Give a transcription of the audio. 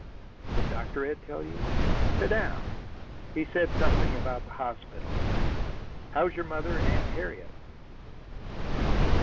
"Did Dr. Ed tell you?" "Sit down. He said something about the hospital. How's your mother and Aunt Harriet?"